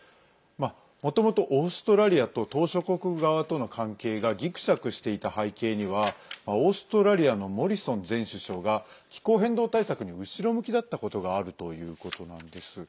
もともと、オーストラリアと島しょ国側との関係がギクシャクしていた背景にはオーストラリアのモリソン前首相が気候変動対策に後ろ向きだったことがあるということなんです。